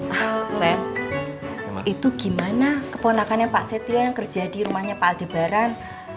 ah ren itu gimana keponakannya pak setia yang kerja di rumahnya pak aldebaran